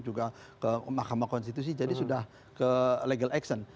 juga ke mahkamah konstitusi jadi sudah ke legal action